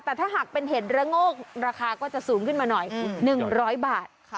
แต่ถ้าหากเป็นเห็ดระโงกราคาก็จะสูงขึ้นมาหน่อย๑๐๐บาท